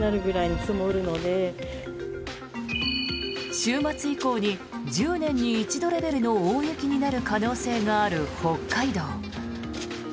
週末以降に１０年に一度レベルの大雪になる可能性がある北海道。